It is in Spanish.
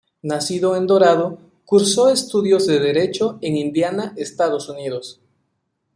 Nacido en Dorado, cursó estudios de derecho en Indiana, Estados Unidos.